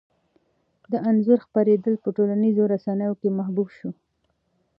د انځور خپرېدل په ټولنیزو رسنیو کې محبوب شو.